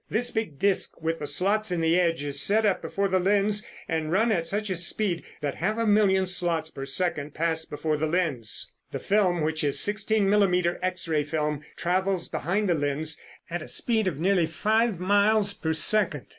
This big disc with the slots in the edge is set up before the lens and run at such a speed that half a million slots per second pass before the lens. The film, which is sixteen millimeter X ray film, travels behind the lens at a speed of nearly five miles per second.